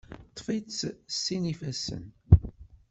Ṭṭef-itt s sin ifassen.